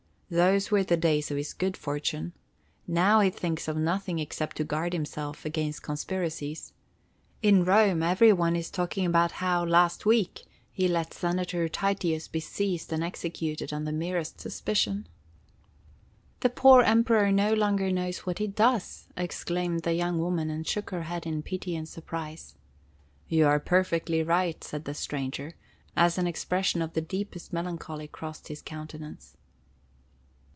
Those were the days of his good fortune. Now he thinks of nothing except to guard himself against conspiracies. In Rome, every one is talking about how, last week, he let Senator Titius be seized and executed on the merest suspicion." "The poor Emperor no longer knows what he does!" exclaimed the young woman; and shook her head in pity and surprise. "You are perfectly right," said the stranger, as an expression of the deepest melancholy crossed his countenance.